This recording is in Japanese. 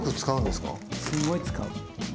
すごい使う。